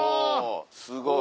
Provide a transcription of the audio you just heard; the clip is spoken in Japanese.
すごい。